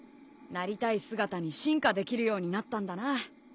なりたい姿に進化できるようになったんだな。